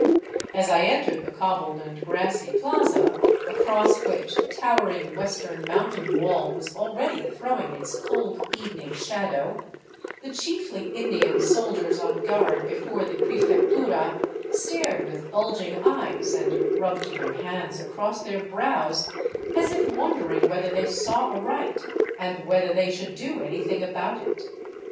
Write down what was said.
As I entered the cobbled and grassy plaza, across which the towering western mountain wall was already throwing its cold evening shadow, the chiefly Indian soldiers on guard before the Prefectura stared with bulging eyes, and rubbed their hands across 353 VAGABONDING DOWN THE ANDES their brows, as if wondering whether they saw aright and whether they should do anything about it.